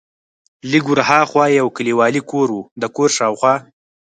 لږ ور ها خوا یو کلیوالي کور و، د کور شاوخوا.